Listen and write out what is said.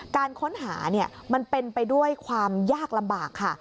การค้นหามันเป็นไปด้วยความยากลำบากค่ะ